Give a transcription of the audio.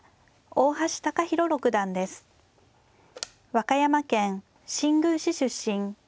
和歌山県新宮市出身。